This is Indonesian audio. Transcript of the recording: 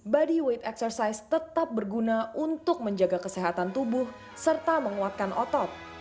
bodyweight exercise tetap berguna untuk menjaga kesehatan tubuh serta menguatkan otot